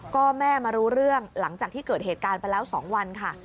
ก็แม่มารู้เรื่องหลังจากที่เกิดเหตุการณ์ไปแล้ว๒วันค่ะ